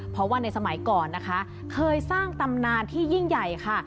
เพราะว่าในสมัยก่อนนะคะเคยสร้างตำนานที่ยิ่งใหญ่ค่ะ